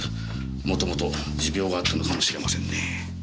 もともと持病があったのかもしれませんね。